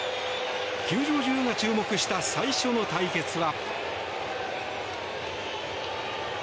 球場中が注目した最初の対決は。